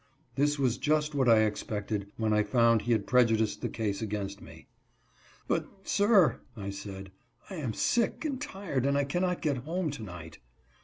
This was just what I expected when I found he had prejudged the case against me. " But, sir," I said, " I am sick and tired, and I cannot get home to night."